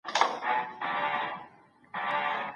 د متقابل صحبت پر مهال بايد څه وسي؟